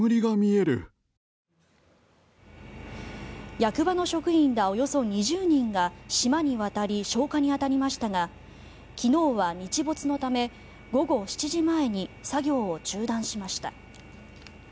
役場の職員らおよそ２０人が島に渡り消火に当たりましたが昨日は日没のため午後７時前に作業を中断しました。